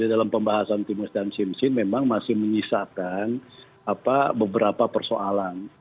nah di dalam pembahasan timus dan tim sipil memang masih menyisakan beberapa persoalan